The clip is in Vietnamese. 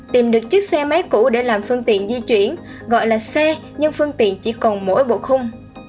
tìm được chiếc xe máy cũ để làm phương tiện di chuyển gọi là xe nhưng phương tiện chỉ còn mỗi bộ khung